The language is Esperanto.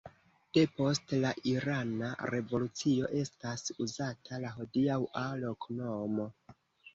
Depost la irana revolucio estas uzata la hodiaŭa loknomo.